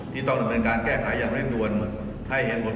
ที่ต้องจำเป็นการแก้ไขอย่างเร่งด้วย